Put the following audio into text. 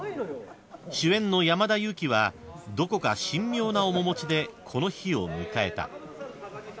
［主演の山田裕貴はどこか神妙な面持ちでこの日を迎えた］